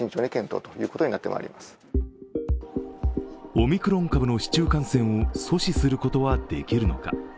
オミクロン株の市中感染を阻止することはできるのか。